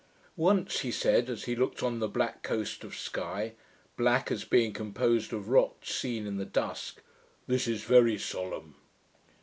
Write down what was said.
Once he said, as he looked on the black coast of Sky black, as being composed of rocks seen in the dusk 'This is very solemn.'